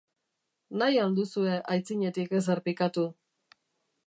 Nahi al duzue aitzinetik ezer pikatu?